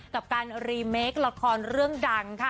กับการรีเมคละครเรื่องดังค่ะ